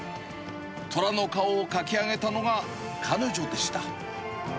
虎の顔を描き上げたのが、彼女でした。